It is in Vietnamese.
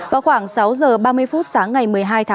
vào khoảng sáu h ba mươi phút sáng ngày một